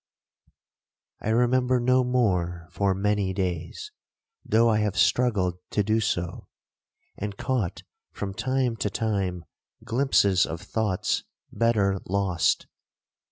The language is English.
I remember no more for many days, though I have struggled to do so, and caught from time to time glimpses of thoughts better lost.